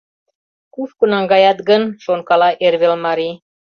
«Кушко наҥгаят гын?» — шонкала эрвелмарий.